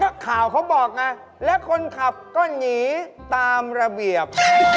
นักข่าวเขาบอกไงและคนขับก็หนีตามระเบียบ